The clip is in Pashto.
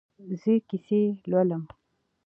زه کیسې لولم